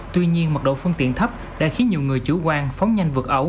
tuy nhiên mật độ phương tiện thấp đã khiến nhiều người chủ quan phóng nhanh vượt ẩu